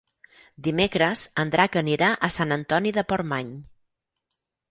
Dimecres en Drac anirà a Sant Antoni de Portmany.